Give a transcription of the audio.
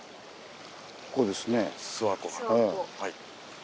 ここですね。